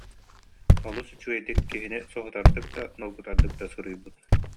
Олус үчүгэй- дик, киһини соһутардык да, долгутардык да суруйбут